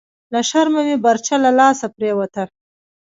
لهٔ شرمه مې برچه لهٔ لاسه پریوته… »